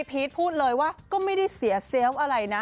พีชพูดเลยว่าก็ไม่ได้เสียเซลล์อะไรนะ